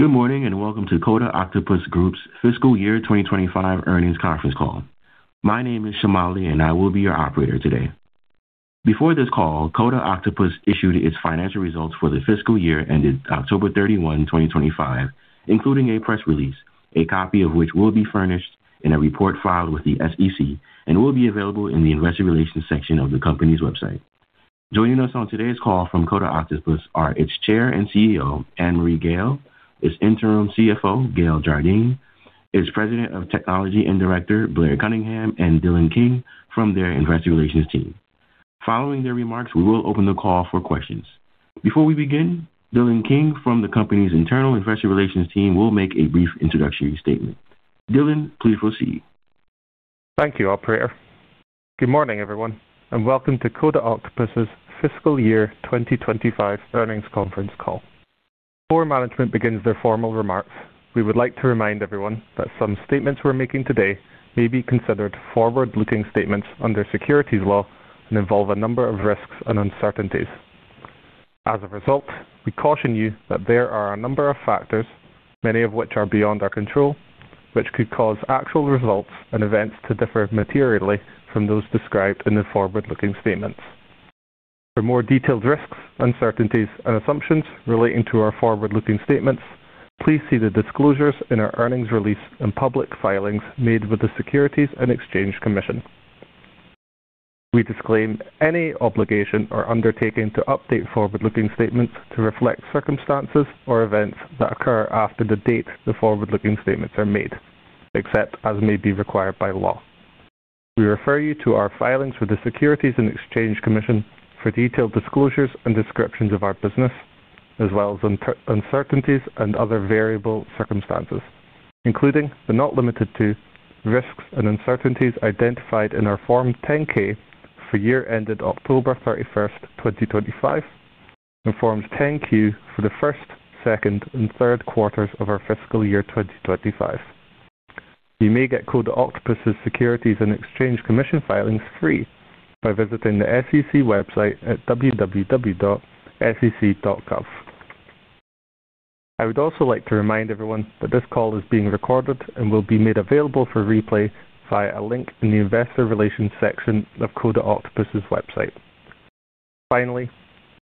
Good morning, and welcome to Coda Octopus Group's fiscal year 2025 earnings conference call. My name is Shamali, and I will be your operator today. Before this call, Coda Octopus issued its financial results for the fiscal year ended October 31, 2025, including a press release, a copy of which will be furnished in a report filed with the SEC and will be available in the investor relations section of the company's website. Joining us on today's call from Coda Octopus are its Chair and CEO, Annmarie Gayle, its interim CFO, Gayle Jardine, its President of Technology and Director, Blair Cunningham, and Dylan King from their investor relations team. Following their remarks, we will open the call for questions. Before we begin, Dylan King from the company's internal investor relations team will make a brief introductory statement. Dillon, please proceed. Thank you, operator. Good morning, everyone, and welcome to Coda Octopus's Fiscal Year 2025 earnings conference call. Before management begins their formal remarks, we would like to remind everyone that some statements we're making today may be considered forward-looking statements under securities law and involve a number of risks and uncertainties. As a result, we caution you that there are a number of factors, many of which are beyond our control, which could cause actual results and events to differ materially from those described in the forward-looking statements. For more detailed risks, uncertainties, and assumptions relating to our forward-looking statements, please see the disclosures in our earnings release and public filings made with the Securities and Exchange Commission. We disclaim any obligation or undertaking to update forward-looking statements to reflect circumstances or events that occur after the date the forward-looking statements are made, except as may be required by law. We refer you to our filings with the Securities and Exchange Commission for detailed disclosures and descriptions of our business, as well as uncertainties and other variable circumstances, including but not limited to, risks and uncertainties identified in our Form 10-K for year ended October 31, 2025, and Forms 10-Q for the first, second, and third quarters of our fiscal year 2025. You may get Coda Octopus's Securities and Exchange Commission filings free by visiting the SEC website at www.sec.gov. I would also like to remind everyone that this call is being recorded and will be made available for replay via a link in the investor relations section of Coda Octopus's website. Finally,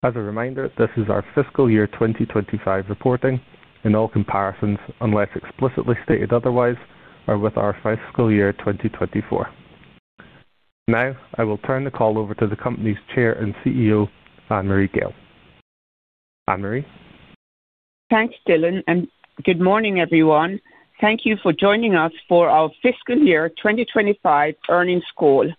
as a reminder, this is our fiscal year 2025 reporting and all comparisons, unless explicitly stated otherwise, are with our fiscal year 2024. Now, I will turn the call over to the company's Chair and CEO, Annmarie Gayle. Annmarie? Thanks, Dylan, and good morning, everyone. Thank you for joining us for our fiscal year 2025 earnings call.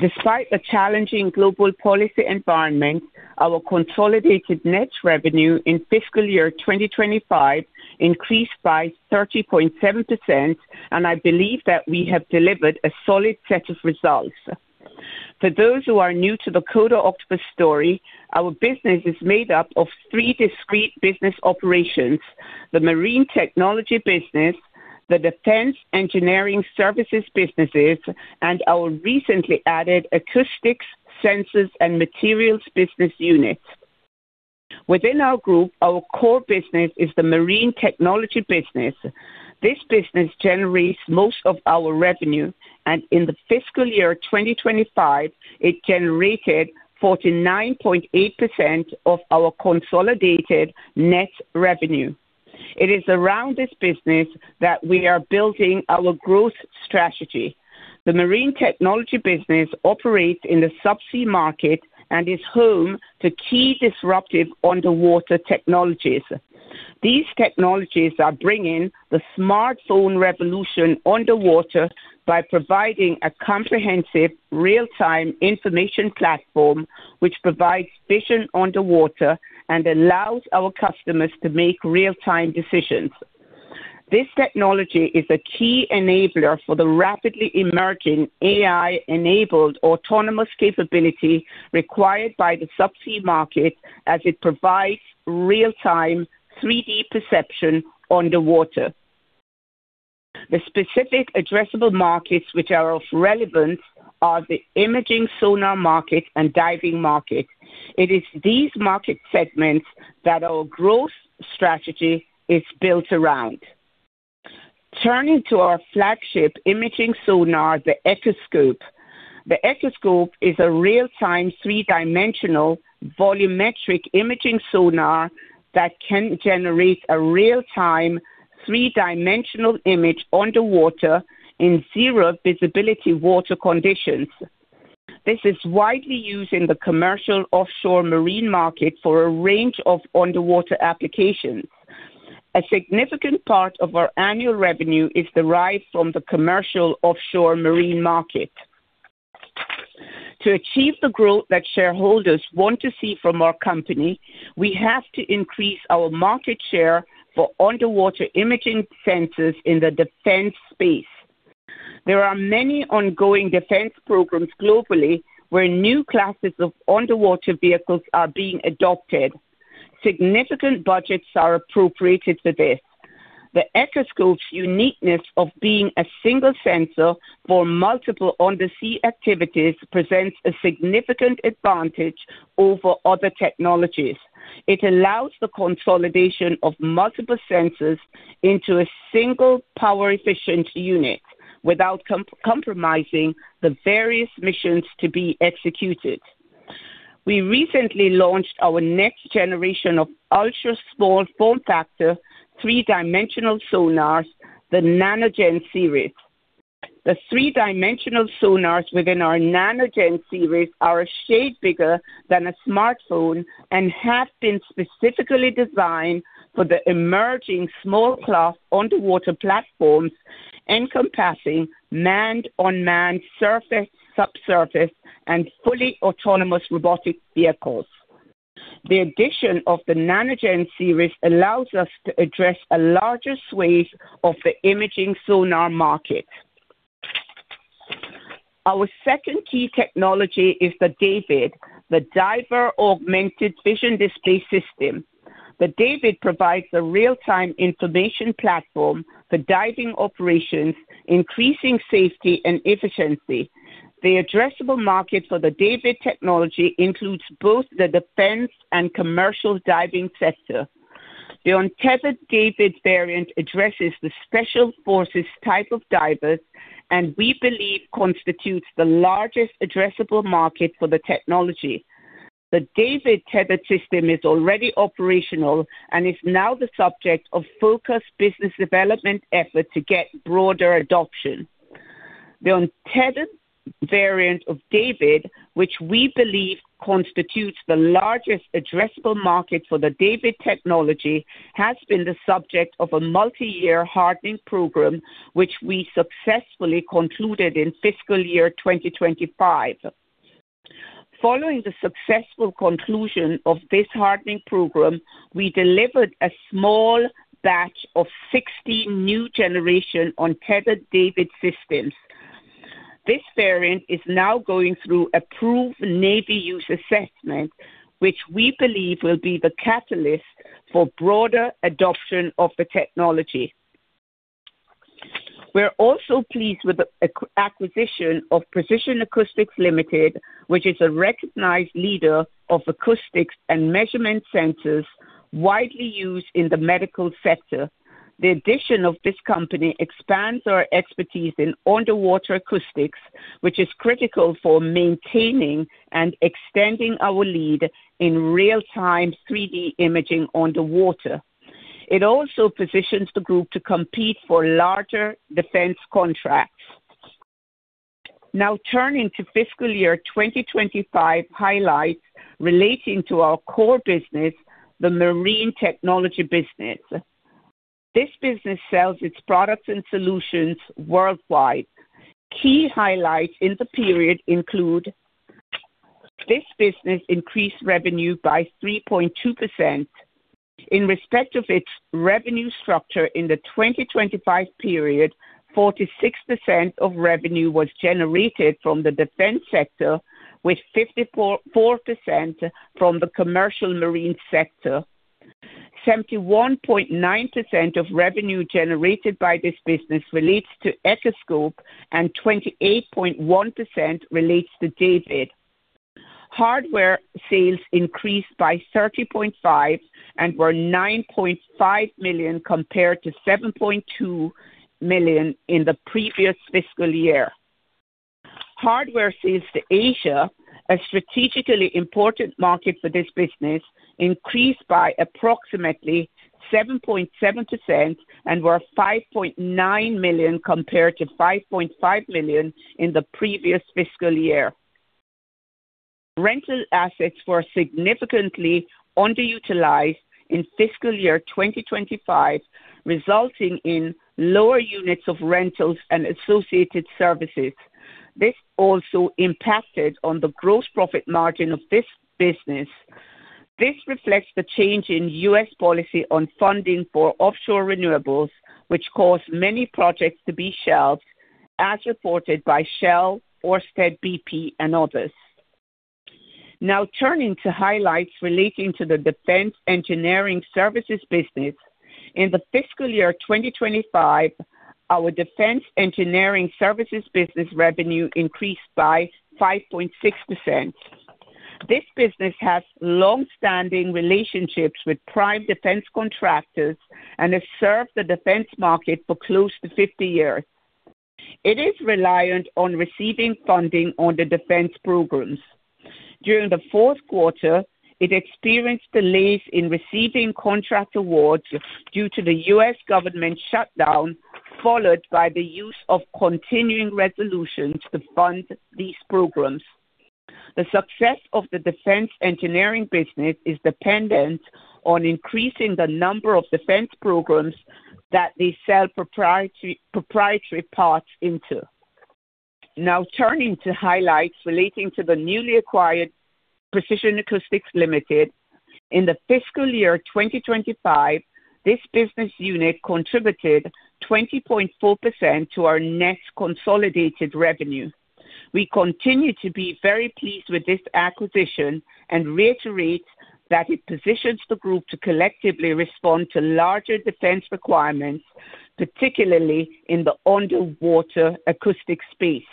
Despite the challenging global policy environment, our consolidated net revenue in fiscal year 2025 increased by 30.7%, and I believe that we have delivered a solid set of results. For those who are new to the Coda Octopus story, our business is made up of three discrete business operations: the marine technology business, the defense engineering services businesses, and our recently added acoustics, sensors, and materials business unit. Within our group, our core business is the marine technology business. This business generates most of our revenue, and in the fiscal year 2025, it generated 49.8% of our consolidated net revenue. It is around this business that we are building our growth strategy. The marine technology business operates in the subsea market and is home to key disruptive underwater technologies. These technologies are bringing the smartphone revolution underwater by providing a comprehensive real-time information platform, which provides vision underwater and allows our customers to make real-time decisions. This technology is a key enabler for the rapidly emerging AI-enabled autonomous capability required by the subsea market as it provides real-time 3D perception underwater. The specific addressable markets which are of relevance are the imaging sonar market and diving market. It is these market segments that our growth strategy is built around. Turning to our flagship imaging sonar, the Echoscope. The Echoscope is a real-time, three-dimensional volumetric imaging sonar that can generate a real-time, three-dimensional image underwater in zero visibility water conditions. This is widely used in the commercial offshore marine market for a range of underwater applications. A significant part of our annual revenue is derived from the commercial offshore marine market. To achieve the growth that shareholders want to see from our company, we have to increase our market share for underwater imaging sensors in the defense space. There are many ongoing defense programs globally where new classes of underwater vehicles are being adopted. Significant budgets are appropriated for this. The Echoscope's uniqueness of being a single sensor for multiple undersea activities presents a significant advantage over other technologies. It allows the consolidation of multiple sensors into a single power-efficient unit without compromising the various missions to be executed. We recently launched our next generation of ultra small form factor, three-dimensional sonars, the NanoGen series. The three-dimensional sonars within our NanoGen series are a shade bigger than a smartphone and have been specifically designed for the emerging small class underwater platforms, encompassing manned or unmanned surface, subsurface, and fully autonomous robotic vehicles. The addition of the NanoGen series allows us to address a larger swath of the imaging sonar market. Our second key technology is the DAVD, the Diver Augmented Vision Display system. The DAVD provides a real-time information platform for diving operations, increasing safety and efficiency. The addressable market for the DAVD technology includes both the defense and commercial diving sector. The untethered DAVD variant addresses the special forces type of divers, and we believe constitutes the largest addressable market for the technology. The DAVD tethered system is already operational and is now the subject of focused business development effort to get broader adoption. The untethered variant of DAVD, which we believe constitutes the largest addressable market for the DAVD technology, has been the subject of a multi-year hardening program, which we successfully concluded in fiscal year 2025. Following the successful conclusion of this hardening program, we delivered a small batch of 60 new generation untethered DAVD systems. This variant is now going through approved Navy use assessment, which we believe will be the catalyst for broader adoption of the technology. We're also pleased with the acquisition of Precision Acoustics Limited, which is a recognized leader of acoustics and measurement sensors widely used in the medical sector. The addition of this company expands our expertise in underwater acoustics, which is critical for maintaining and extending our lead in real-time 3D imaging underwater. It also positions the group to compete for larger defense contracts. Now, turning to fiscal year 2025 highlights relating to our core business, the marine technology business. This business sells its products and solutions worldwide. Key highlights in the period include, this business increased revenue by 3.2%. In respect of its revenue structure, in the 2025 period, 46% of revenue was generated from the defense sector, with 54% from the commercial marine sector. 71.9% of revenue generated by this business relates to Echoscope, and 28.1% relates to DAVD. Hardware sales increased by 30.5% and were $9.5 million, compared to $7.2 million in the previous fiscal year. Hardware sales to Asia, a strategically important market for this business, increased by approximately 7.7% and were $5.9 million, compared to $5.5 million in the previous fiscal year. Rental assets were significantly underutilized in fiscal year 2025, resulting in lower units of rentals and associated services. This also impacted on the gross profit margin of this business. This reflects the change in U.S. policy on funding for offshore renewables, which caused many projects to be shelved, as reported by Shell, Ørsted, BP and others. Now, turning to highlights relating to the defense engineering services business. In the fiscal year 2025, our defense engineering services business revenue increased by 5.6%. This business has longstanding relationships with prime defense contractors and has served the defense market for close to 50 years. It is reliant on receiving funding on the defense programs. During the fourth quarter, it experienced delays in receiving contract awards due to the U.S. government shutdown, followed by the use of continuing resolutions to fund these programs. The success of the defense engineering business is dependent on increasing the number of defense programs that they sell proprietary parts into. Now, turning to highlights relating to the newly acquired Precision Acoustics Ltd. In the fiscal year 2025, this business unit contributed 20.4% to our net consolidated revenue. We continue to be very pleased with this acquisition and reiterate that it positions the group to collectively respond to larger defense requirements, particularly in the underwater acoustic space.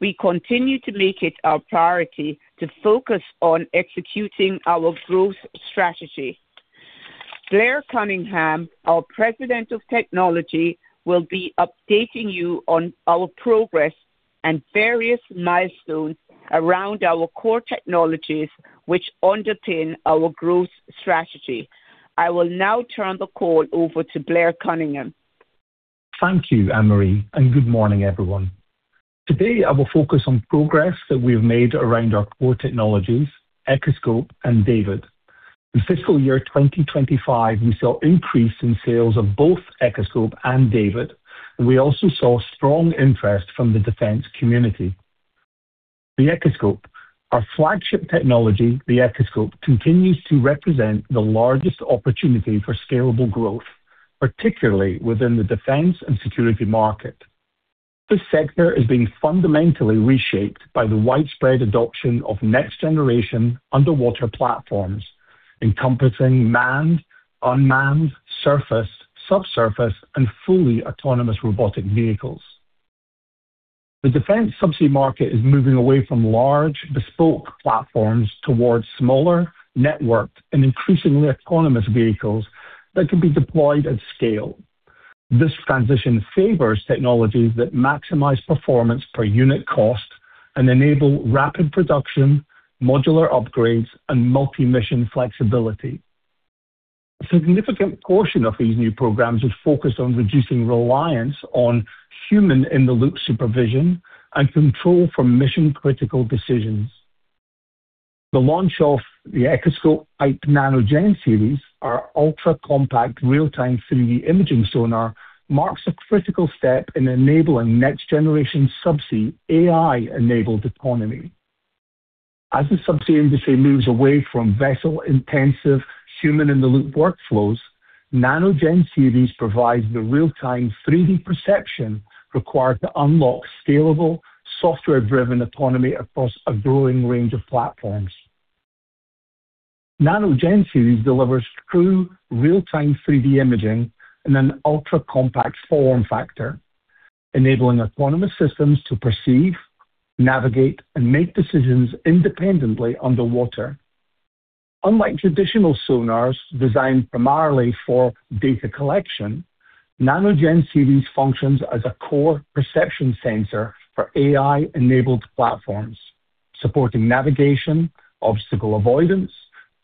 We continue to make it our priority to focus on executing our growth strategy. Blair Cunningham, our President of Technology, will be updating you on our progress and various milestones around our core technologies, which underpin our growth strategy. I will now turn the call over to Blair Cunningham. Thank you, Annmarie, and good morning, everyone. Today, I will focus on progress that we've made around our core technologies, Echoscope and DAVD. In fiscal year 2025, we saw increase in sales of both Echoscope and DAVD. We also saw strong interest from the defense community. The Echoscope, our flagship technology, the Echoscope, continues to represent the largest opportunity for scalable growth, particularly within the defense and security market. This sector is being fundamentally reshaped by the widespread adoption of next generation underwater platforms, encompassing manned, unmanned, surface, subsurface, and fully autonomous robotic vehicles. The defense subsea market is moving away from large bespoke platforms towards smaller, networked, and increasingly autonomous vehicles that can be deployed at scale. This transition favors technologies that maximize performance per unit cost and enable rapid production, modular upgrades, and multi-mission flexibility. A significant portion of these new programs is focused on reducing reliance on human-in-the-loop supervision and control from mission-critical decisions. The launch of the Echoscope NanoGen Series, our ultra-compact real-time 3D imaging sonar, marks a critical step in enabling next-generation subsea AI-enabled autonomy. As the subsea industry moves away from vessel-intensive human-in-the-loop workflows, NanoGen Series provides the real-time 3D perception required to unlock scalable, software-driven autonomy across a growing range of platforms. NanoGen Series delivers true real-time 3D imaging in an ultra-compact form factor, enabling autonomous systems to perceive, navigate, and make decisions independently underwater. Unlike traditional sonars designed primarily for data collection, NanoGen Series functions as a core perception sensor for AI-enabled platforms, supporting navigation, obstacle avoidance,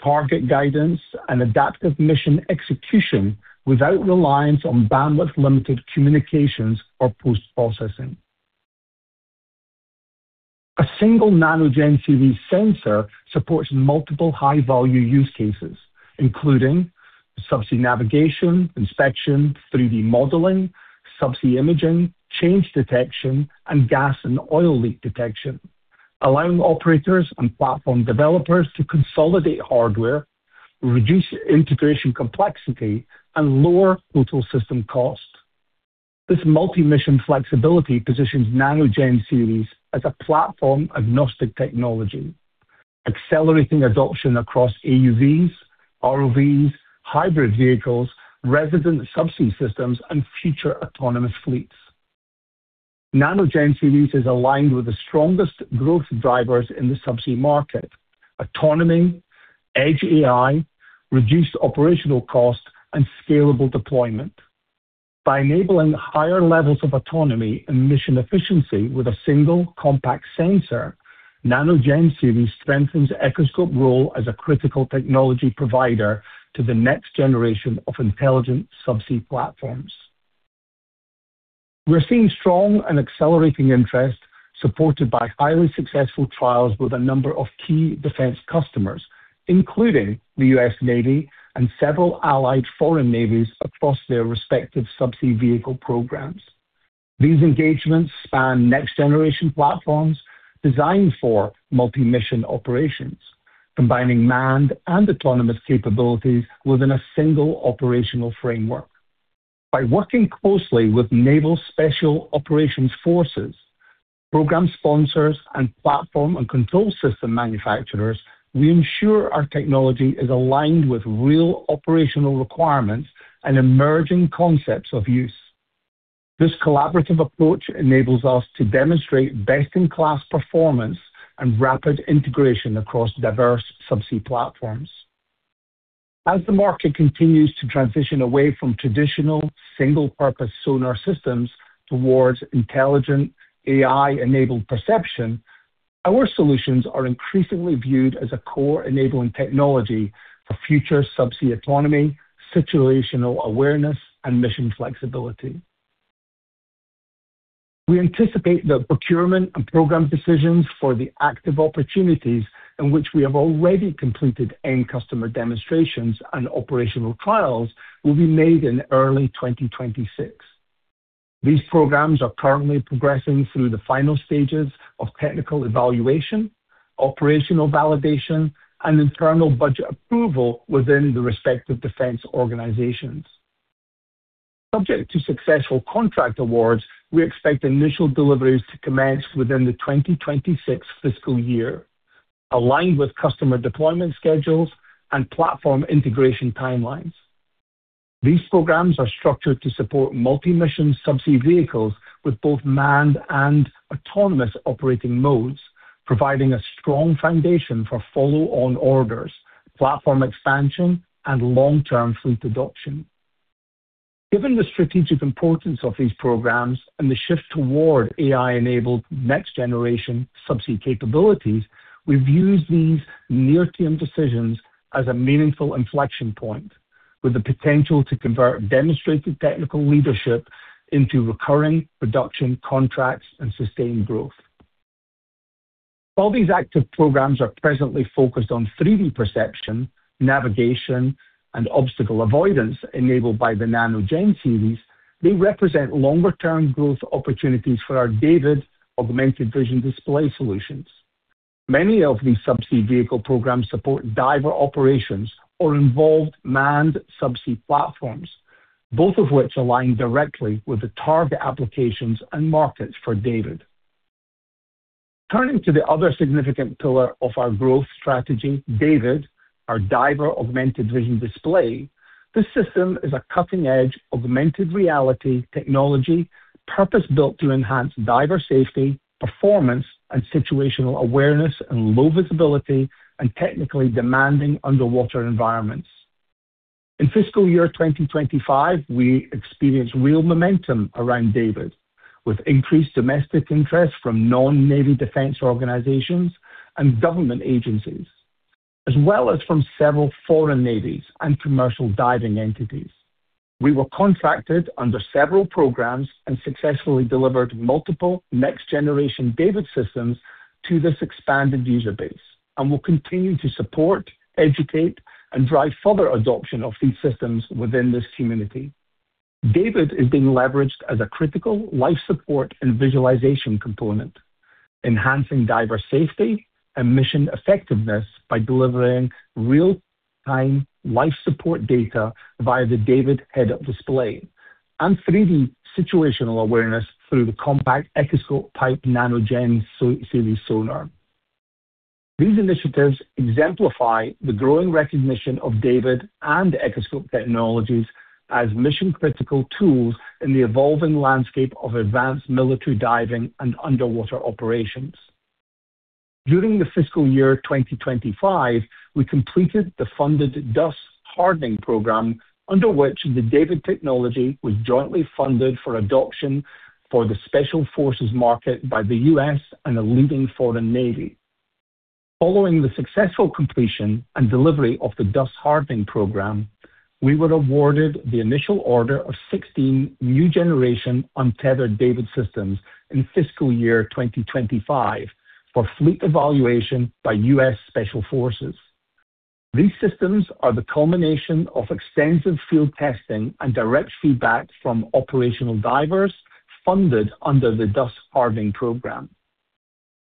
target guidance, and adaptive mission execution without reliance on bandwidth-limited communications or post-processing. A single NanoGen Series sensor supports multiple high-value use cases, including subsea navigation, inspection, 3D modeling, subsea imaging, change detection, and gas and oil leak detection, allowing operators and platform developers to consolidate hardware, reduce integration complexity, and lower total system costs. This multi-mission flexibility positions NanoGen Series as a platform-agnostic technology, accelerating adoption across AUVs, ROVs, hybrid vehicles, resident subsea systems, and future autonomous fleets. NanoGen Series is aligned with the strongest growth drivers in the subsea market: autonomy, edge AI, reduced operational costs, and scalable deployment. By enabling higher levels of autonomy and mission efficiency with a single compact sensor, NanoGen Series strengthens Echoscope role as a critical technology provider to the next generation of intelligent subsea platforms. We're seeing strong and accelerating interest, supported by highly successful trials with a number of key defense customers, including the U.S. Navy and several allied foreign navies across their respective subsea vehicle programs. These engagements span next-generation platforms designed for multi-mission operations, combining manned and autonomous capabilities within a single operational framework. By working closely with Naval Special Operations Forces, program sponsors, and platform and control system manufacturers, we ensure our technology is aligned with real operational requirements and emerging concepts of use. This collaborative approach enables us to demonstrate best-in-class performance and rapid integration across diverse subsea platforms. As the market continues to transition away from traditional single-purpose sonar systems towards intelligent AI-enabled perception, our solutions are increasingly viewed as a core enabling technology for future subsea autonomy, situational awareness, and mission flexibility. We anticipate that procurement and program decisions for the active opportunities in which we have already completed end customer demonstrations and operational trials will be made in early 2026. These programs are currently progressing through the final stages of technical evaluation, operational validation, and internal budget approval within the respective defense organizations.... Subject to successful contract awards, we expect initial deliveries to commence within the 2026 fiscal year, aligned with customer deployment schedules and platform integration timelines. These programs are structured to support multi-mission subsea vehicles with both manned and autonomous operating modes, providing a strong foundation for follow-on orders, platform expansion, and long-term fleet adoption. Given the strategic importance of these programs and the shift toward AI-enabled next generation subsea capabilities, we've used these near-term decisions as a meaningful inflection point, with the potential to convert demonstrated technical leadership into recurring production contracts and sustained growth. While these active programs are presently focused on 3D perception, navigation, and obstacle avoidance enabled by the NanoGen series, they represent longer term growth opportunities for our DAVD Augmented Vision Display solutions. Many of these subsea vehicle programs support diver operations or involve manned subsea platforms, both of which align directly with the target applications and markets for DAVD. Turning to the other significant pillar of our growth strategy, DAVD, our Diver Augmented Vision Display. This system is a cutting-edge augmented reality technology, purpose-built to enhance diver safety, performance, and situational awareness in low visibility and technically demanding underwater environments. In fiscal year 2025, we experienced real momentum around DAVD, with increased domestic interest from non-navy defense organizations and government agencies, as well as from several foreign navies and commercial diving entities. We were contracted under several programs and successfully delivered multiple next generation DAVD systems to this expanded user base and will continue to support, educate, and drive further adoption of these systems within this community. DAVD is being leveraged as a critical life support and visualization component, enhancing diver safety and mission effectiveness by delivering real-time life support data via the DAVD head-up display and 3D situational awareness through the compact Echoscope PIPE NanoGen series sonar. These initiatives exemplify the growing recognition of DAVD and Echoscope technologies as mission critical tools in the evolving landscape of advanced military diving and underwater operations. During the fiscal year 2025, we completed the funded DUS hardening program, under which the DAVD technology was jointly funded for adoption for the Special Forces market by the U.S. and a leading foreign navy. Following the successful completion and delivery of the DUS hardening program, we were awarded the initial order of 16 new generation untethered DAVD systems in fiscal year 2025 for fleet evaluation by U.S. Special Forces. These systems are the culmination of extensive field testing and direct feedback from operational divers funded under the DUS hardening program.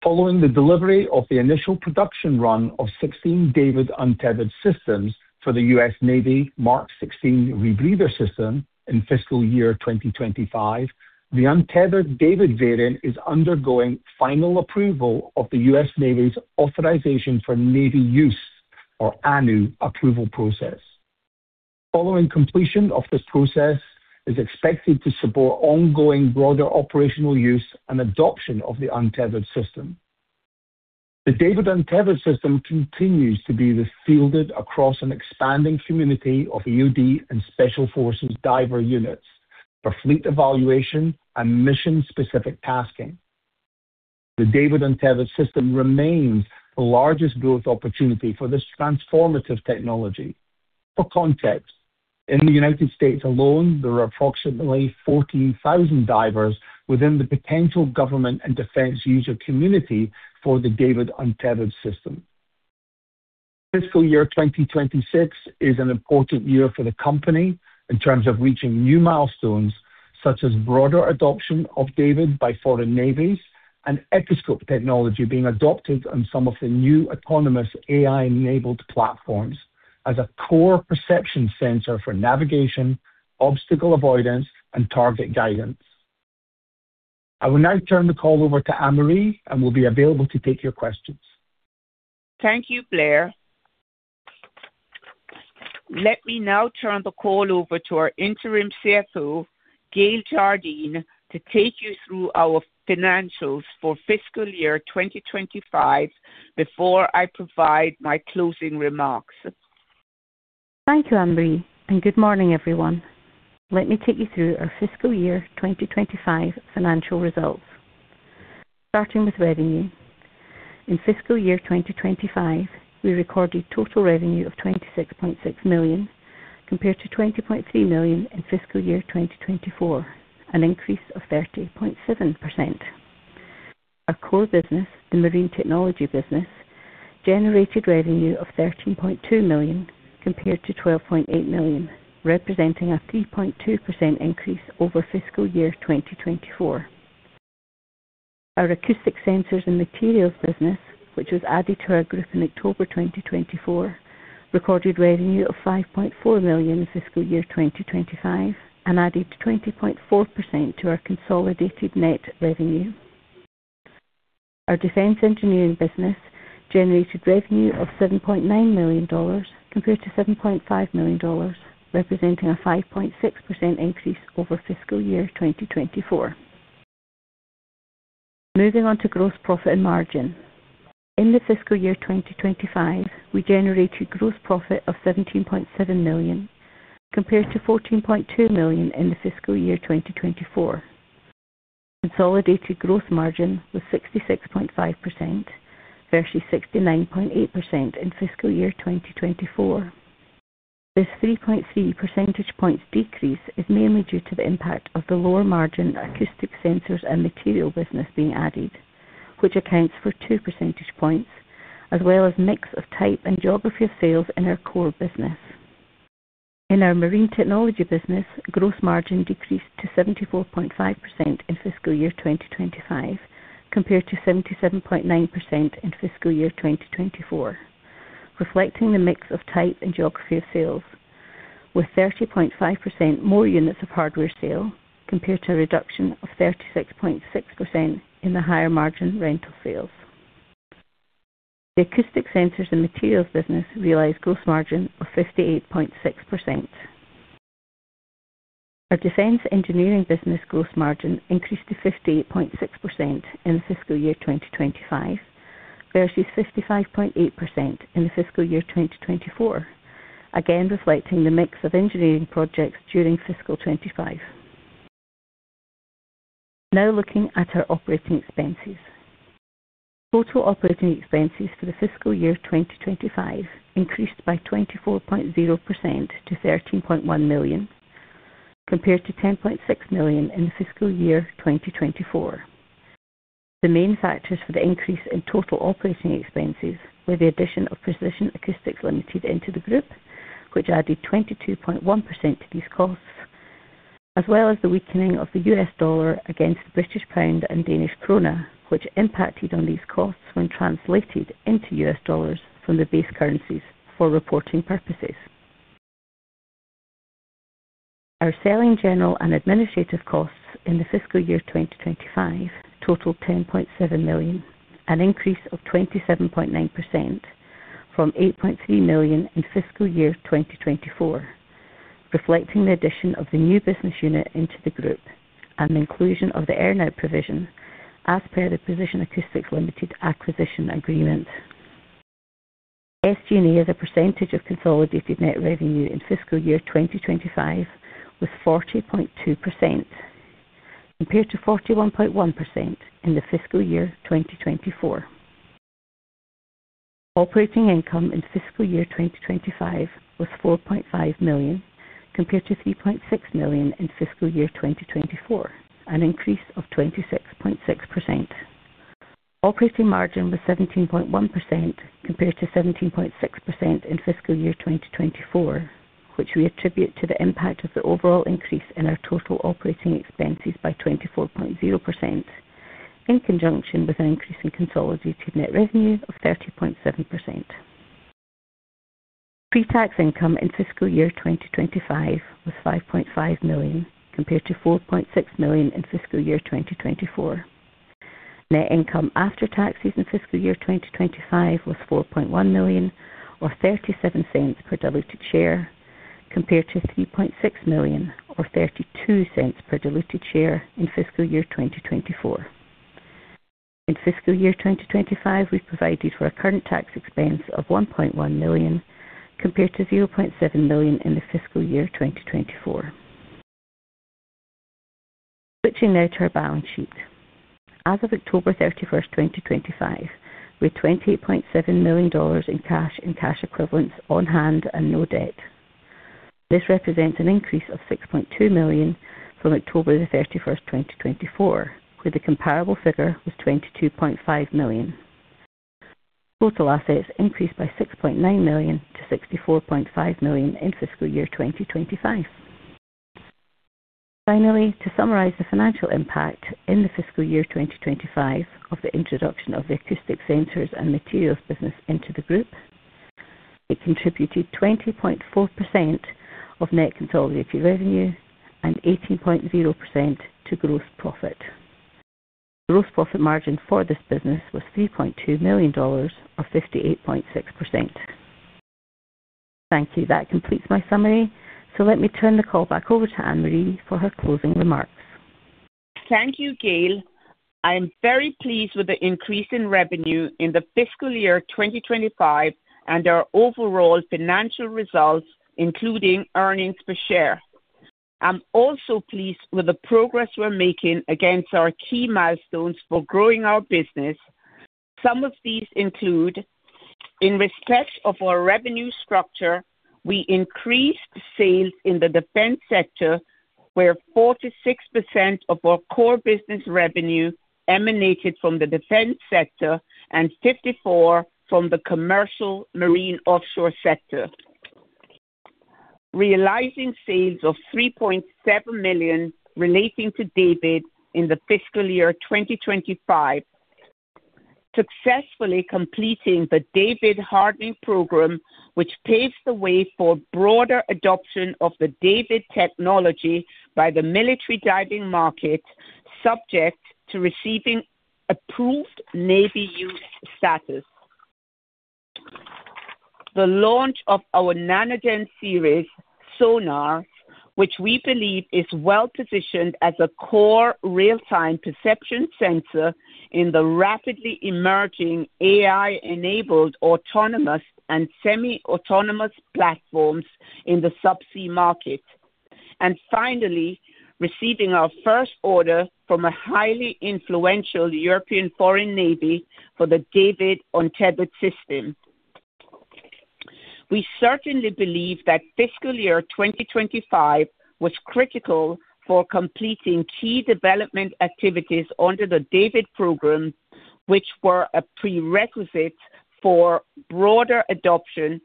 Following the delivery of the initial production run of 16 DAVD untethered systems for the U.S. Navy MK 16 rebreather system in fiscal year 2025, the untethered DAVD variant is undergoing final approval of the U.S. Navy's authorization for Navy use, or ANU approval process. Following completion of this process is expected to support ongoing broader operational use and adoption of the untethered system. The DAVD untethered system continues to be fielded across an expanding community of UD and Special Forces diver units for fleet evaluation and mission-specific tasking. The DAVD untethered system remains the largest growth opportunity for this transformative technology. For context, in the United States alone, there are approximately 14,000 divers within the potential government and defense user community for the DAVD untethered system. Fiscal year 2026 is an important year for the company in terms of reaching new milestones, such as broader adoption of DAVD by foreign navies and Echoscope technology being adopted on some of the new autonomous AI-enabled platforms as a core perception sensor for navigation, obstacle avoidance, and target guidance. I will now turn the call over to Annmarie and will be available to take your questions. Thank you, Blair. Let me now turn the call over to our Interim CFO, Gayle Jardine, to take you through our financials for fiscal year 2025 before I provide my closing remarks. Thank you, Annmarie, and good morning, everyone. Let me take you through our fiscal year 2025 financial results. Starting with revenue. In fiscal year 2025, we recorded total revenue of $26.6 million, compared to $20.3 million in fiscal year 2024, an increase of 30.7%. Our core business, the marine technology business, generated revenue of $13.2 million compared to $12.8 million, representing a 3.2% increase over fiscal year 2024. Our Acoustic Sensors and Materials business, which was added to our group in October 2024, recorded revenue of $5.4 million in fiscal year 2025 and added 20.4% to our consolidated net revenue. Our Defense Engineering business generated revenue of $7.9 million compared to $7.5 million, representing a 5.6% increase over fiscal year 2024. Moving on to gross profit and margin. In the fiscal year 2025, we generated gross profit of $17.7 million, compared to $14.2 million in the fiscal year 2024. Consolidated gross margin was 66.5% versus 69.8% in fiscal year 2024. This 3.3 percentage points decrease is mainly due to the impact of the lower margin Acoustic Sensors and Material business being added, which accounts for 2 percentage points, as well as mix of type and geography of sales in our core business. In our Marine Technology business, gross margin decreased to 74.5% in fiscal year 2025, compared to 77.9% in fiscal year 2024, reflecting the mix of type and geography of sales, with 30.5% more units of hardware sale, compared to a reduction of 36.6% in the higher margin rental sales. The Acoustic Sensors and Materials business realized gross margin of 58.6%. Our Defense Engineering business gross margin increased to 58.6% in the fiscal year 2025, versus 55.8% in the fiscal year 2024, again, reflecting the mix of engineering projects during fiscal 2025. Now, looking at our operating expenses. Total operating expenses for the fiscal year 2025 increased by 24.0% to $13.1 million, compared to $10.6 million in the fiscal year 2024. The main factors for the increase in total operating expenses were the addition of Precision Acoustics Limited into the group, which added 22.1% to these costs, as well as the weakening of the US dollar against the British pound and Danish krone, which impacted on these costs when translated into US dollars from the base currencies for reporting purposes. Our selling, general, and administrative costs in the fiscal year 2025 totaled $10.7 million, an increase of 27.9% from $8.3 million in fiscal year 2024, reflecting the addition of the new business unit into the group and the inclusion of the earn-out provision as per the Precision Acoustics Limited acquisition agreement. SG&A as a percentage of consolidated net revenue in fiscal year 2025 was 40.2%, compared to 41.1% in the fiscal year 2024. Operating income in fiscal year 2025 was $4.5 million, compared to $3.6 million in fiscal year 2024, an increase of 26.6%. Operating margin was 17.1%, compared to 17.6% in fiscal year 2024, which we attribute to the impact of the overall increase in our total operating expenses by 24.0%, in conjunction with an increase in consolidated net revenue of 30.7%. Pre-tax income in fiscal year 2025 was $5.5 million, compared to $4.6 million in fiscal year 2024. Net income after taxes in fiscal year 2025 was $4.1 million, or $0.37 per diluted share, compared to $3.6 million or $0.32 per diluted share in fiscal year 2024. In fiscal year 2025, we provided for a current tax expense of $1.1 million, compared to $0.7 million in the fiscal year 2024. Switching now to our balance sheet. As of October 31st, 2025, we had $28.7 million in cash and cash equivalents on hand and no debt. This represents an increase of $6.2 million from October 31st, 2024, where the comparable figure was $22.5 million. Total assets increased by $6.9 million to $64.5 million in fiscal year 2025. Finally, to summarize the financial impact in the fiscal year 2025 of the introduction of the Acoustic Sensors and Materials business into the group, it contributed 20.4% of net consolidated revenue and 18.0% to gross profit. Gross profit margin for this business was $3.2 million or 58.6%. Thank you. That completes my summary. Let me turn the call back over to Annmarie for her closing remarks. Thank you, Gayle. I am very pleased with the increase in revenue in the fiscal year 2025 and our overall financial results, including earnings per share. I'm also pleased with the progress we're making against our key milestones for growing our business. Some of these include, in respect of our revenue structure, we increased sales in the defense sector, where 46% of our core business revenue emanated from the defense sector and 54% from the commercial marine offshore sector.... realizing sales of $3.7 million relating to DAVD in the fiscal year 2025. Successfully completing the DAVD hardening program, which paves the way for broader adoption of the DAVD technology by the military diving market, subject to receiving approved Navy use status. The launch of our NanoGen series sonar, which we believe is well-positioned as a core real-time perception sensor in the rapidly emerging AI-enabled autonomous and semi-autonomous platforms in the subsea market. Finally, receiving our first order from a highly influential European foreign navy for the DAVD untethered system. We certainly believe that fiscal year 2025 was critical for completing key development activities under the DAVD program, which were a prerequisite for broader adoption,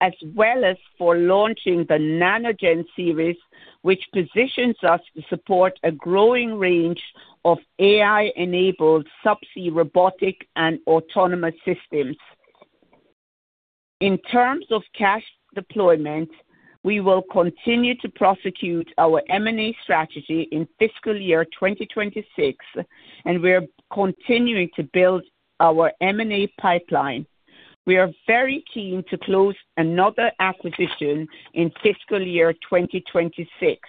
as well as for launching the NanoGen series, which positions us to support a growing range of AI-enabled subsea robotic and autonomous systems. In terms of cash deployment, we will continue to prosecute our M&A strategy in fiscal year 2026, and we are continuing to build our M&A pipeline. We are very keen to close another acquisition in fiscal year 2026.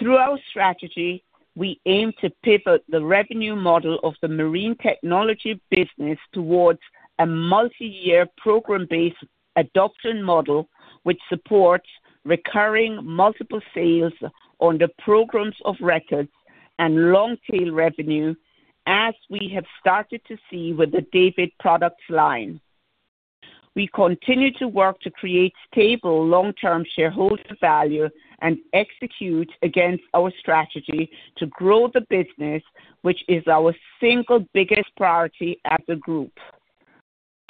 Through our strategy, we aim to pivot the revenue model of the marine technology business towards a multi-year program-based adoption model, which supports recurring multiple sales on the programs of records and long tail revenue, as we have started to see with the DAVD product line. We continue to work to create stable, long-term shareholder value and execute against our strategy to grow the business, which is our single biggest priority as a group.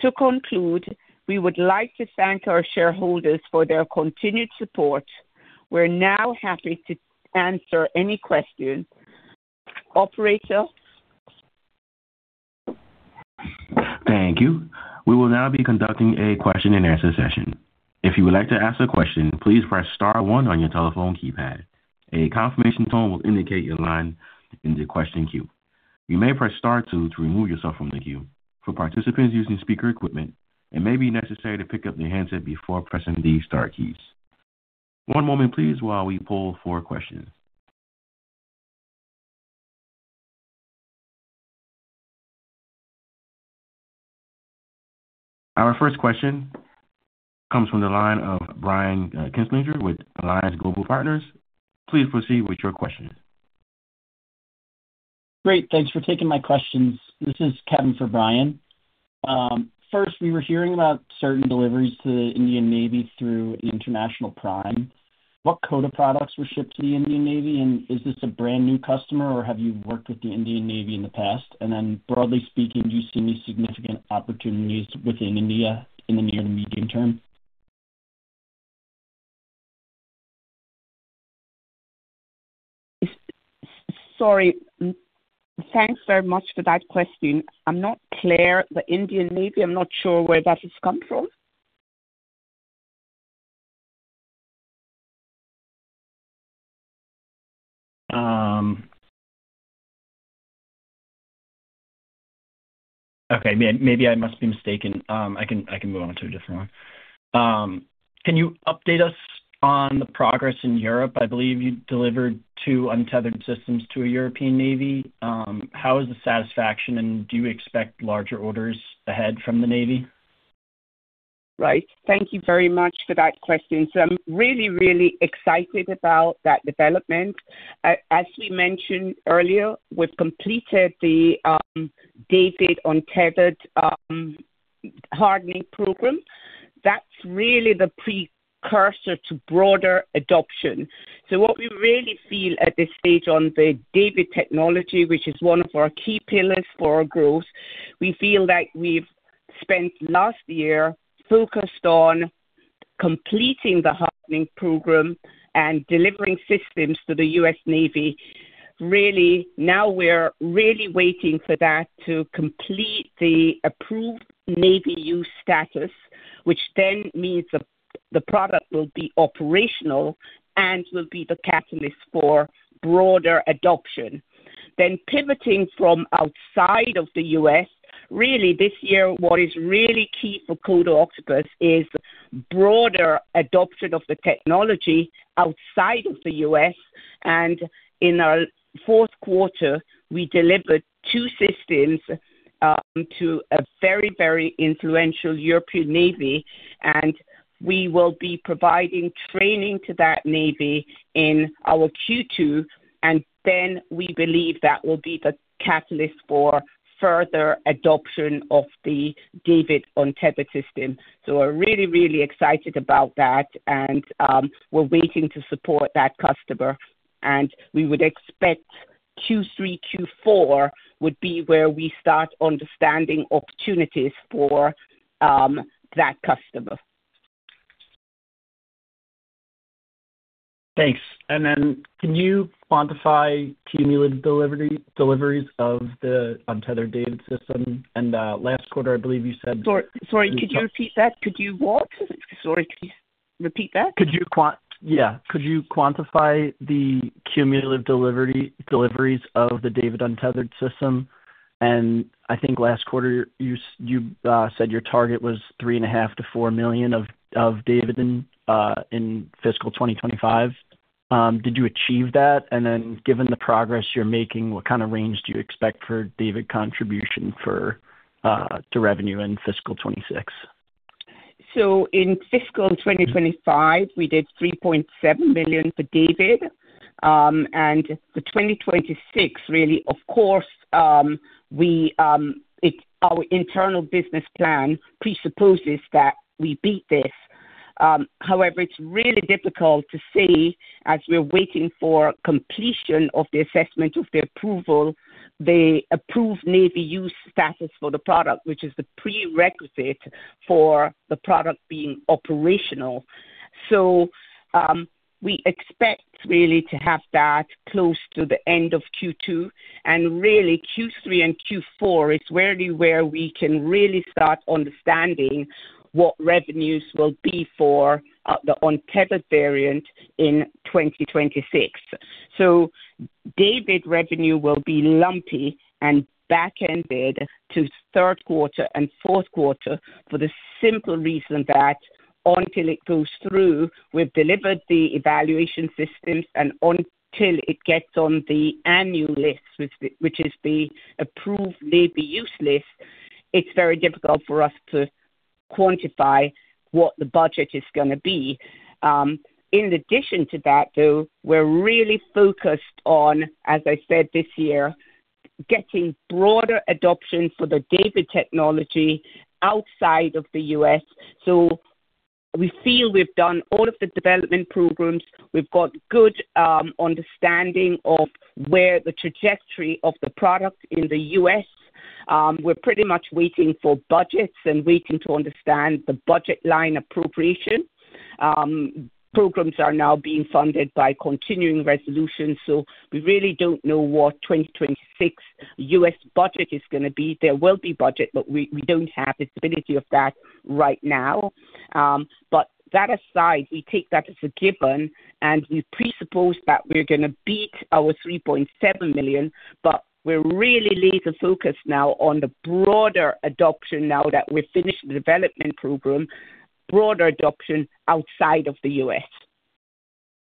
To conclude, we would like to thank our shareholders for their continued support. We're now happy to answer any questions. Operator? Thank you. We will now be conducting a question-and-answer session. If you would like to ask a question, please press star one on your telephone keypad. A confirmation tone will indicate your line in the question queue. You may press star two to remove yourself from the queue. For participants using speaker equipment, it may be necessary to pick up the handset before pressing the star keys. One moment please, while we pull for questions. Our first question comes from the line of Brian Kinstlinger with Alliance Global Partners. Please proceed with your question. Great. Thanks for taking my questions. This is Kevin for Brian. First, we were hearing about certain deliveries to the Indian Navy through International Prime. What Coda products were shipped to the Indian Navy, and is this a brand new customer, or have you worked with the Indian Navy in the past? And then, broadly speaking, do you see any significant opportunities within India in the near to medium term? Sorry. Thanks very much for that question. I'm not clear. The Indian Navy, I'm not sure where that has come from. Okay, maybe I must be mistaken. I can move on to a different one. Can you update us on the progress in Europe? I believe you delivered two untethered systems to a European navy. How is the satisfaction, and do you expect larger orders ahead from the Navy? Right. Thank you very much for that question. So I'm really, really excited about that development. As we mentioned earlier, we've completed the DAVD Untethered hardening program. That's really the precursor to broader adoption. So what we really feel at this stage on the DAVD technology, which is one of our key pillars for our growth, we feel that we've spent last year focused on completing the hardening program and delivering systems to the U.S. Navy. Really, now we're really waiting for that to complete the Approved Navy Use status, which then means the product will be operational and will be the catalyst for broader adoption. Then pivoting from outside of the U.S., really, this year, what is really key for Coda Octopus is broader adoption of the technology outside of the U.S. In our fourth quarter, we delivered two systems to a very, very influential European navy, and we will be providing training to that navy in our Q2, and then we believe that will be the catalyst for further adoption of the DAVD Untethered System. So we're really, really excited about that, and we're waiting to support that customer, and we would expect Q3, Q4 would be where we start understanding opportunities for that customer. Thanks. And then can you quantify cumulative delivery, deliveries of the untethered DAVD system? And, last quarter, I believe you said- Sorry, sorry, could you repeat that? Could you what? Sorry, could you repeat that? Could you quantify the cumulative deliveries of the DAVD untethered system? And I think last quarter, you said your target was $3.5 million-$4 million of DAVD in fiscal 2025. Did you achieve that? And then, given the progress you're making, what kind of range do you expect for DAVD contribution to revenue in fiscal 2026? In fiscal 2025, we did $3.7 million for DAVD. And for 2026, really, of course, our internal business plan presupposes that we beat this. However, it's really difficult to say as we're waiting for completion of the assessment of the approval, the Approved Navy Use status for the product, which is the prerequisite for the product being operational. So, we expect really to have that close to the end of Q2, and really Q3 and Q4 is really where we can really start understanding what revenues will be for, the untethered variant in 2026. So DAVD revenue will be lumpy and back-ended to third quarter and fourth quarter for the simple reason that until it goes through, we've delivered the evaluation systems, and until it gets on the annual list, which is the approved Navy use list, it's very difficult for us to quantify what the budget is gonna be. In addition to that, though, we're really focused on, as I said this year, getting broader adoption for the DAVD technology outside of the U.S. So we feel we've done all of the development programs. We've got good understanding of where the trajectory of the product in the U.S. We're pretty much waiting for budgets and waiting to understand the budget line appropriation. Programs are now being funded by continuing resolutions, so we really don't know what 2026 U.S. budget is gonna be. There will be budget, but we, we don't have visibility of that right now. But that aside, we take that as a given, and we presuppose that we're gonna beat our $3.7 million, but we're really laser focused now on the broader adoption now that we've finished the development program, broader adoption outside of the U.S.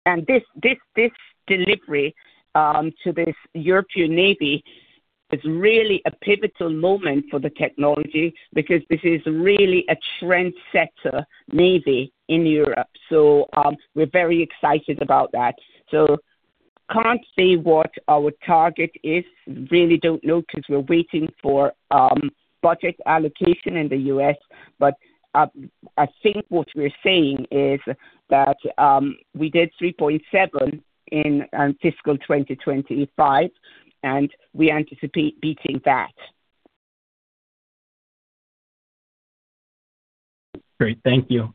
And this, this, this delivery to this European Navy is really a pivotal moment for the technology, because this is really a trendsetter navy in Europe. So, we're very excited about that. So can't say what our target is. Really don't know, because we're waiting for budget allocation in the U.S. But, I think what we're saying is that, we did $3.7 million in fiscal 2025, and we anticipate beating that. Great. Thank you.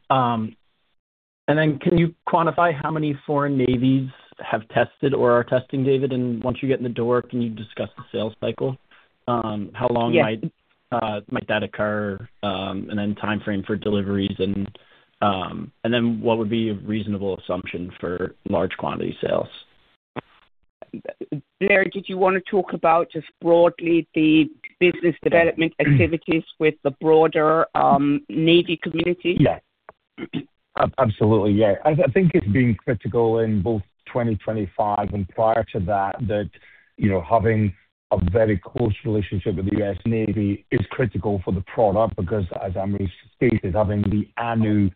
And then can you quantify how many foreign navies have tested or are testing DAVD? And once you get in the door, can you discuss the sales cycle? How long- Yes. Might that occur, and then timeframe for deliveries, and then what would be a reasonable assumption for large quantity sales? Blair, did you want to talk about just broadly the business development activities with the broader Navy community? Yeah. Absolutely, yeah. I think it's been critical in both 2025 and prior to that, that, you know, having a very close relationship with the U.S. Navy is critical for the product, because as Ami stated, having the ANU,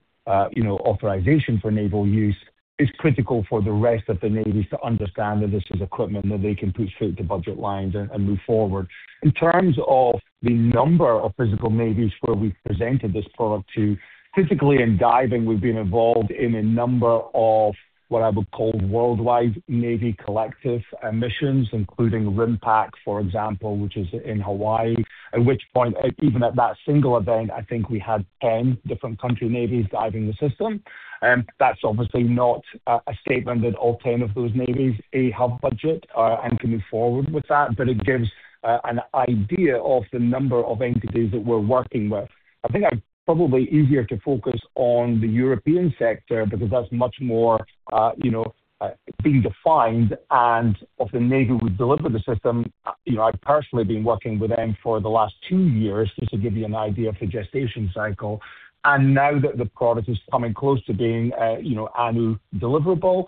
you know, authorization for naval use is critical for the rest of the navies to understand that this is equipment that they can push through the budget lines and, and move forward. In terms of the number of physical navies where we've presented this product to, physically in diving, we've been involved in a number of what I would call worldwide navy collective missions, including RIMPAC, for example, which is in Hawaii. At which point, even at that single event, I think we had 10 different country navies diving the system. That's obviously not a statement that all 10 of those navies have budget and can move forward with that, but it gives an idea of the number of entities that we're working with. I think I'd probably easier to focus on the European sector, because that's much more, you know, being defined and of the navy we delivered the system, you know, I've personally been working with them for the last two years, just to give you an idea of the gestation cycle. And now that the product is coming close to being, you know, annual deliverable,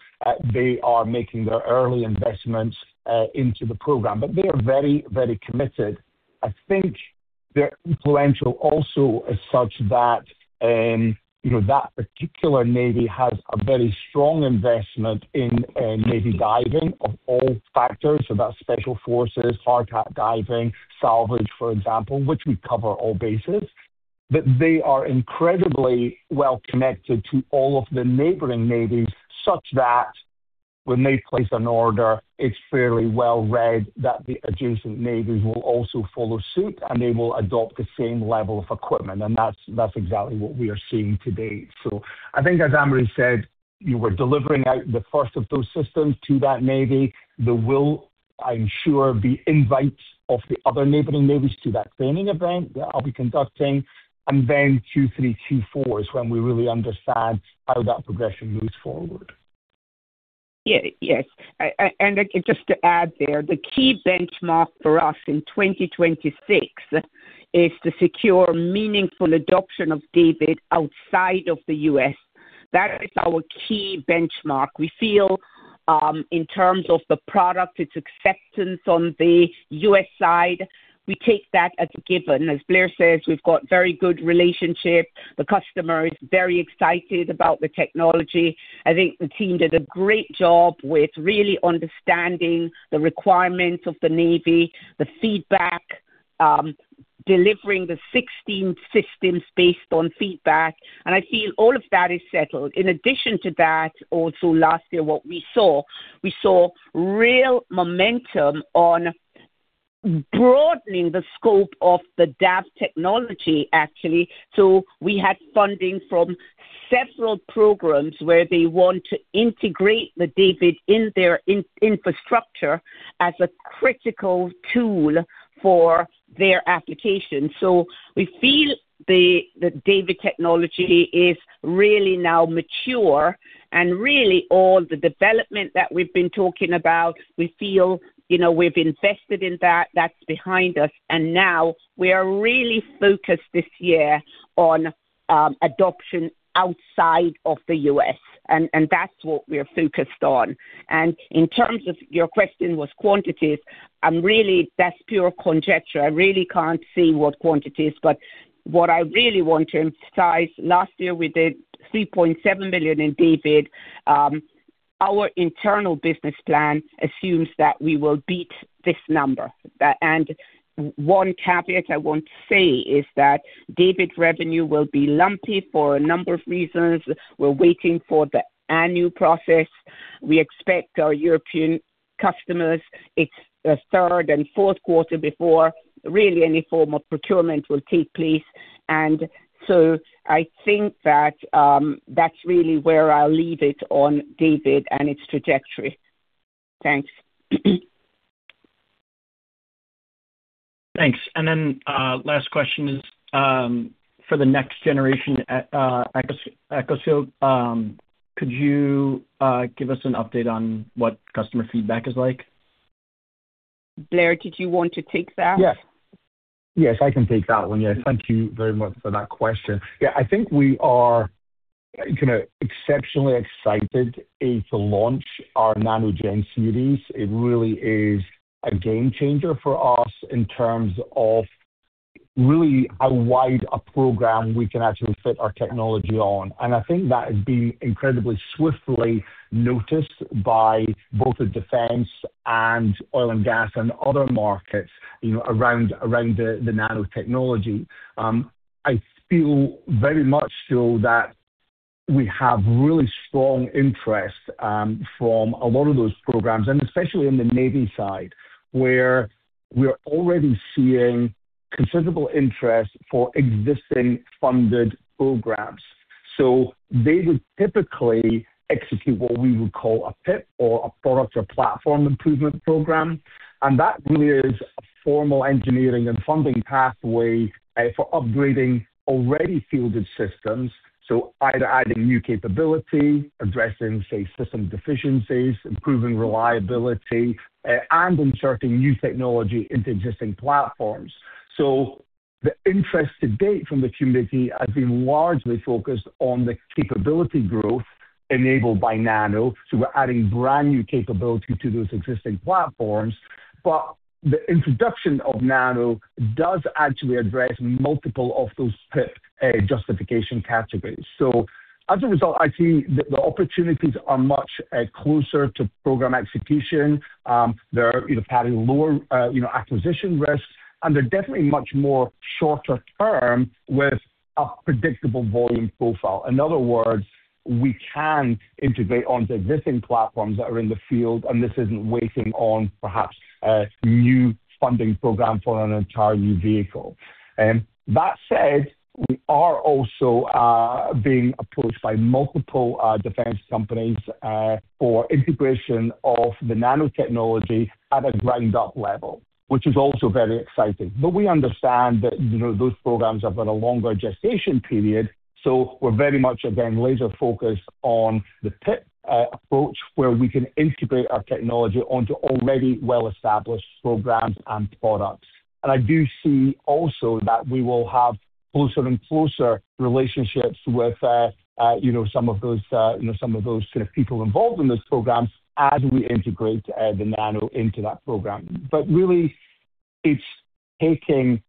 they are making their early investments into the program. But they are very, very committed. I think they're influential also as such that, you know, that particular navy has a very strong investment in, navy diving of all factors, so that's special forces, hard hat diving, salvage, for example, which we cover all bases. But they are incredibly well connected to all of the neighboring navies, such that when they place an order, it's fairly well read that the adjacent navies will also follow suit, and they will adopt the same level of equipment. And that's, that's exactly what we are seeing today. So I think as Annmarie said, you were delivering out the first of those systems to that navy. There will, I'm sure, be invites of the other neighboring navies to that training event that I'll be conducting. And then 2023, 2024 is when we really understand how that progression moves forward. Yeah. Yes, and just to add there, the key benchmark for us in 2026 is to secure meaningful adoption of DAVD outside of the U.S. That is our key benchmark. We feel, in terms of the product, its acceptance on the U.S. side, we take that as a given. As Blair says, we've got very good relationship. The customer is very excited about the technology. I think the team did a great job with really understanding the requirements of the Navy, the feedback, delivering the 16 systems based on feedback, and I feel all of that is settled. In addition to that, also last year, what we saw, we saw real momentum on broadening the scope of the DAVD technology, actually. So we had funding from several programs where they want to integrate the DAVD in their infrastructure as a critical tool for their application. So we feel the DAVD technology is really now mature and really all the development that we've been talking about, we feel, you know, we've invested in that, that's behind us, and now we are really focused this year on adoption outside of the U.S., and that's what we are focused on. And in terms of your question about quantities, I'm really, that's pure conjecture. I really can't see what quantities, but what I really want to emphasize, last year we did $3.7 million in DAVD. Our internal business plan assumes that we will beat this number. That, and one caveat I want to say is that DAVD revenue will be lumpy for a number of reasons. We're waiting for the annual process. We expect our European customers, it's a third and fourth quarter before really any form of procurement will take place. And so I think that, that's really where I'll leave it on DAVD and its trajectory. Thanks. Thanks. And then, last question is for the next generation Echoscope. Could you give us an update on what customer feedback is like? Blair, did you want to take that? Yes. Yes, I can take that one. Yes. Thank you very much for that question. Yeah, I think we are kind of exceptionally excited to launch our NanoGen series. It really is a game changer for us in terms of really how wide a program we can actually fit our technology on. And I think that is being incredibly swiftly noticed by both the defense and oil and gas and other markets, you know, around the nanotechnology. I feel very much so that we have really strong interest from a lot of those programs, and especially in the Navy side, where we're already seeing considerable interest for existing funded programs. So they would typically execute what we would call a PIP or a product or platform improvement program, and that really is a formal engineering and funding pathway for upgrading already fielded systems. So either adding new capability, addressing, say, system deficiencies, improving reliability, and inserting new technology into existing platforms. So the interest to date from the community has been largely focused on the capability growth enabled by Nano. So we're adding brand new capability to those existing platforms. But the introduction of Nano does actually address multiple of those PIP, justification categories. So as a result, I see the, the opportunities are much, closer to program execution. They're, you know, carrying lower, you know, acquisition risks, and they're definitely much more shorter term with a predictable volume profile. In other words, we can integrate onto existing platforms that are in the field, and this isn't waiting on perhaps a new funding program for an entire new vehicle. That said, we are also being approached by multiple defense companies for integration of the nanotechnology at a ground up level, which is also very exciting. But we understand that, you know, those programs have got a longer gestation period, so we're very much again laser focused on the PIP approach, where we can integrate our technology onto already well-established programs and products. And I do see also that we will have closer and closer relationships with, you know, some of those, you know, some of those sort of people involved in this program as we integrate the Nano into that program. But really... It's taking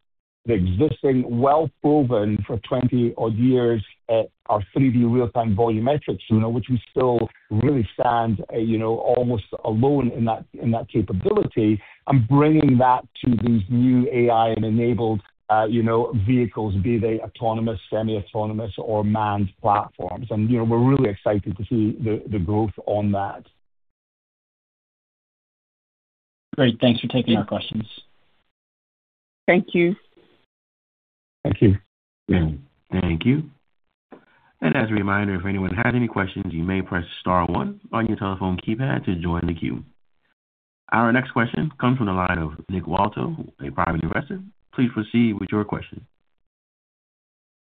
the existing, well proven for 20-odd years, our 3D real-time volumetrics, you know, which we still really stand, you know, almost alone in that, in that capability, and bringing that to these new AI and enabled, you know, vehicles, be they autonomous, semi-autonomous, or manned platforms. You know, we're really excited to see the growth on that. Great. Thanks for taking our questions. Thank you. Thank you. Thank you. As a reminder, if anyone has any questions, you may press star one on your telephone keypad to join the queue. Our next question comes from the line of Nick Walter, a private investor. Please proceed with your question.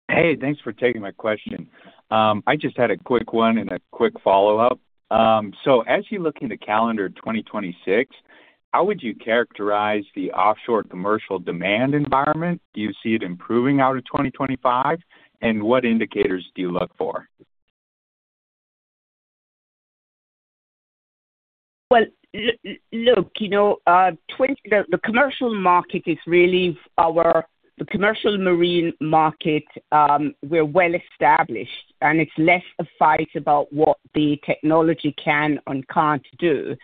Hey, thanks for taking my question. I just had a quick one and a quick follow-up. So as you look into calendar 2026, how would you characterize the offshore commercial demand environment? Do you see it improving out of 2025? And what indicators do you look for? Well, look, you know, the commercial market is really our... The commercial marine market, we're well established, and it's less a fight about what the technology can and can't do.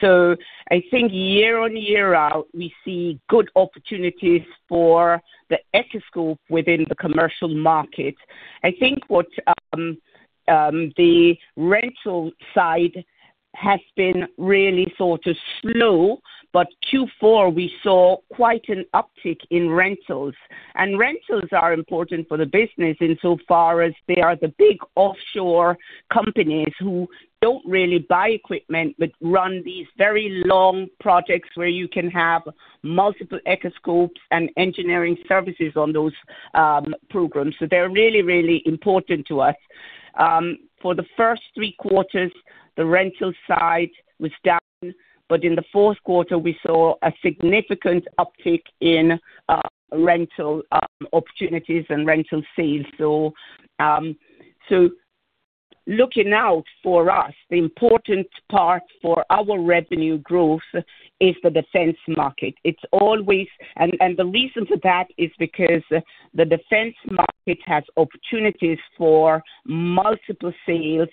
So I think year on year out, we see good opportunities for the Echoscope within the commercial market. I think what the rental side has been really sort of slow, but Q4, we saw quite an uptick in rentals. And rentals are important for the business insofar as they are the big offshore companies who don't really buy equipment, but run these very long projects where you can have multiple Echoscope and engineering services on those programs. So they're really, really important to us. For the first three quarters, the rental side was down, but in the fourth quarter, we saw a significant uptick in rental opportunities and rental sales. So, so looking out for us, the important part for our revenue growth is the defense market. It's always and, and the reason for that is because the defense market has opportunities for multiple sales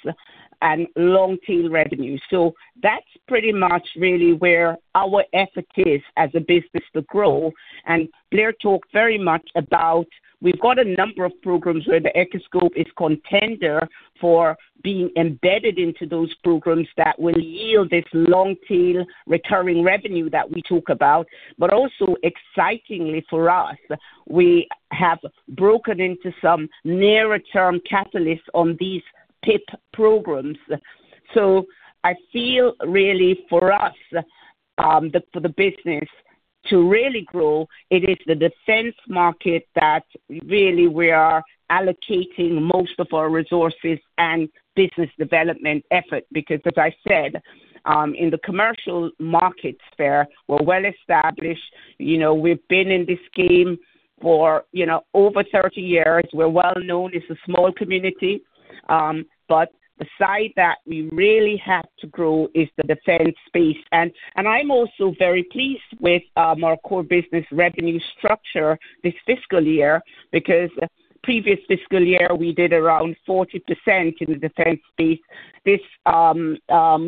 and long tail revenue. So that's pretty much really where our effort is as a business to grow. And Blair talked very much about, we've got a number of programs where the Echoscope is contender for being embedded into those programs that will yield this long tail recurring revenue that we talk about. But also excitingly for us, we have broken into some nearer term catalysts on these PIP programs. So I feel really for us, for the business to really grow, it is the defense market that really we are allocating most of our resources and business development effort because as I said, in the commercial markets there, we're well established. You know, we've been in this game for, you know, over 30 years. We're well known. It's a small community. But the side that we really have to grow is the defense space. And, and I'm also very pleased with, our core business revenue structure this fiscal year, because previous fiscal year, we did around 40% in the defense space. This,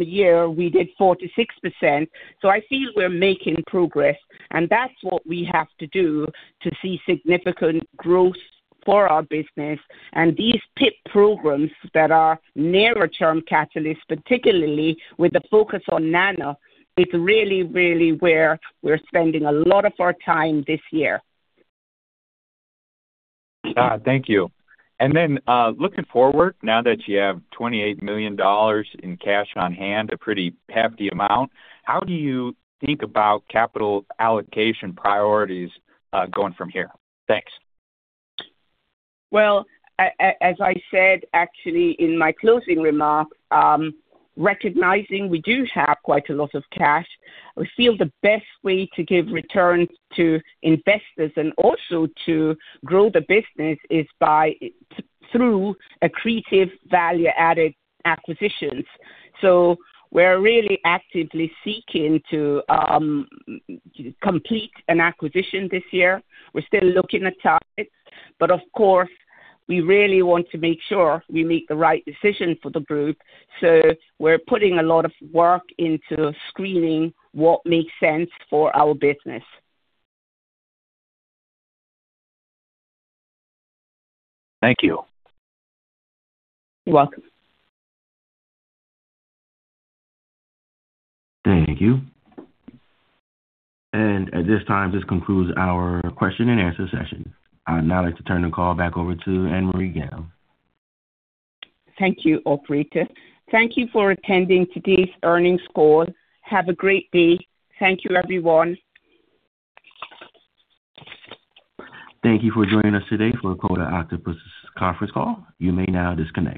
year, we did 46%. So I feel we're making progress, and that's what we have to do to see significant growth for our business. These PIP programs that are nearer term catalysts, particularly with the focus on Nano, is really, really where we're spending a lot of our time this year. Thank you. Looking forward, now that you have $28 million in cash on hand, a pretty hefty amount, how do you think about capital allocation priorities, going from here? Thanks. Well, as I said, actually in my closing remarks, recognizing we do have quite a lot of cash, we feel the best way to give returns to investors and also to grow the business is by through accretive value-added acquisitions. So we're really actively seeking to complete an acquisition this year. We're still looking at targets, but of course, we really want to make sure we make the right decision for the group. So we're putting a lot of work into screening what makes sense for our business. Thank you. You're welcome. Thank you. At this time, this concludes our question and answer session. I'd now like to turn the call back over to Annmarie Gayle. Thank you, operator. Thank you for attending today's earnings call. Have a great day. Thank you, everyone. Thank you for joining us today for Coda Octopus conference call. You may now disconnect.